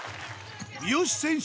三好選手